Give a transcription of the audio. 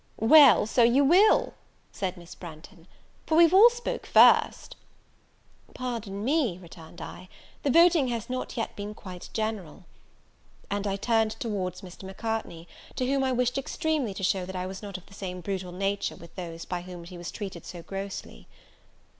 "Well, so you will," said Miss Branghton, "for we've all spoke first." "Pardon me," returned I, "the voting has not yet been quite general." And I turned towards Mr. Macartney, to whom I wished extremely to show that I was not of the same brutal nature with those by whom he was treated so grossly.